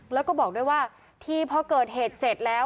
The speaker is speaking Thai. แล้วก็บอกด้วยว่าทีพอเกิดเหตุเสร็จแล้ว